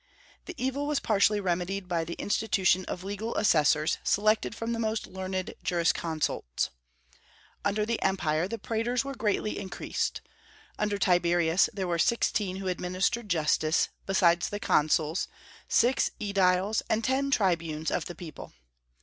The evil was partially remedied by the institution of legal assessors, selected from the most learned jurisconsults. Under the empire the praetors were greatly increased; under Tiberius there were sixteen who administered justice, besides the consuls, six ediles, and ten tribunes of the people.